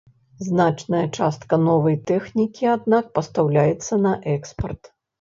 Значная частка новай тэхнікі, аднак, пастаўляецца на экспарт.